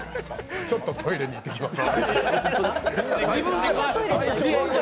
ちょっとトイレに行ってきます。